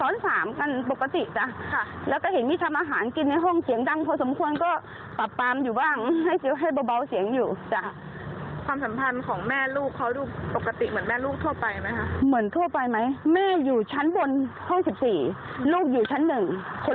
อยู่ด้วยกันประมาณ๓คนจะอยู่ที่ห้องหนึ่ง